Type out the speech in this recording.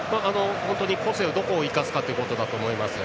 個性を、どこを生かすかというところだと思います。